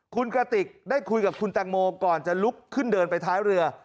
คุณกระติกได้คุยกับคุณแตงโมก่อนจะลุกขึ้นเดินไปท้ายเรือ